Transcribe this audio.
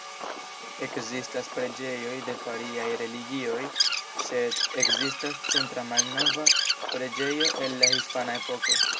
Ekzistas preĝejoj de variaj religioj, sed ekzistas centra malnova preĝejo el la Hispana Epoko.